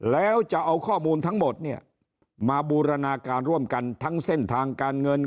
แล้วจะเอาข้อมูลทั้งหมดเนี่ยมาบูรณาการร่วมกันทั้งเส้นทางการเงิน